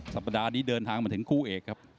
สัปดาห์นี้เดินทางมาถึงคู่เอกครับ